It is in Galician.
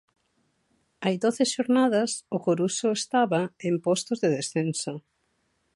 Hai doce xornadas, o Coruxo estaba en postos de descenso.